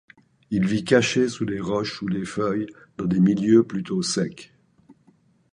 Il vit caché sous des roches ou des feuilles, dans des milieux plutôt secs.